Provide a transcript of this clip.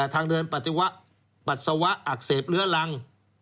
ทางเดินปัสสาวะอักเสบเลื้อรัง